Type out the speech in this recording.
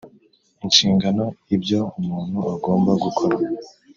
inshingano: ibyo umuntu agomba gukora